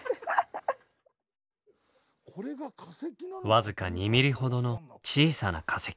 わずか２ミリほどの小さな化石。